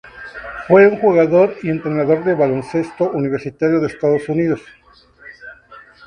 Fue un jugador y entrenador de baloncesto universitario en Estados Unidos.